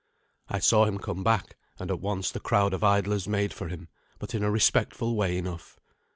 I saw him come back, and at once the crowd of idlers made for him, but in a respectful way enough.